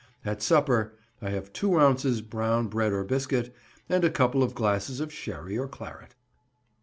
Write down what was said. At Supper—I have two ounces brown bread or biscuit, and a couple of glasses of sherry or claret.